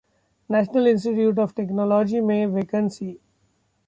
national Institute of Technology में vacancy